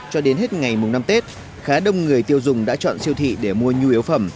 cho đến hết ngày mùng năm tết khá đông người tiêu dùng đã chọn siêu thị để mua nhu yếu phẩm